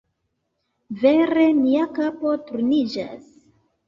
Vere, mia kapo turniĝas.